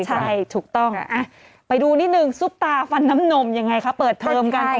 ใช่ถูกต้องไปดูนิดนึงซุปตาฟันน้ำนมยังไงคะเปิดเทอมกัน